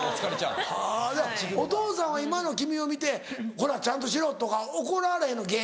お父さんは今の君を見てちゃんとしろとか怒られへんの？